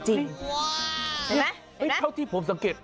เห็นไหมโอ้แปลกเท่าที่ผมสังเกต